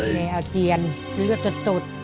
แก่อาเจียนเลือดจะตด